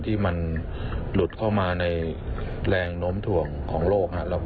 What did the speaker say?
ที่มันหลุดเข้ามาในแรงโน้มถ่วงของโลกครับ